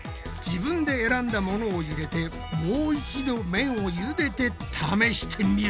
自分で選んだものを入れてもう一度麺をゆでて試してみるぞ！